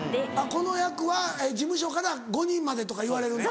この役は事務所から５人までとか言われるんだ。